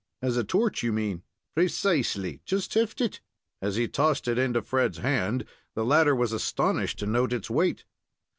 "As a torch, you mean?" "Precisely; just heft it." As he tossed it into Fred's hand, the latter was astonished to note its weight.